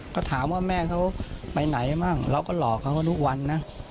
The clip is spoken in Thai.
ก็ถามว่าแม่เขาไปไหนมั่งเราก็หลอกเขาก็ทุกวันนะ